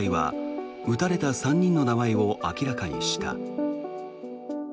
昨日、陸上自衛隊は撃たれた３人の名前を明らかにした。